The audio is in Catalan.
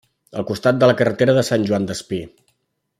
Al costat de la carretera de Sant Joan Despí.